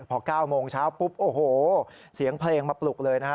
พอ๙โมงเช้าปุ๊บโอ้โหเสียงเพลงมาปลุกเลยนะฮะ